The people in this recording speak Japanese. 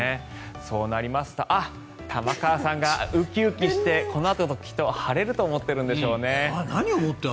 そうなりますと玉川さんがウキウキしてこのあときっと晴れると思ってるんでしょうね。